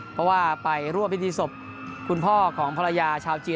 เพราะว่าไปร่วมพิธีศพคุณพ่อของภรรยาชาวจีน